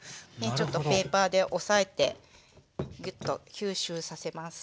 ちょっとペーパーで押さえてギュッと吸収させます。